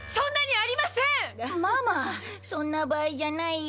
そんな場合じゃないよ。